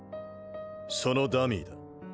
そのダミーだ。